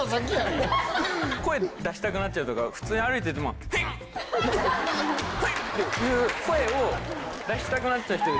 声出したくなっちゃうとか普通に歩いてても「ふぃんふぃん！」っていう声を出したくなっちゃう人で。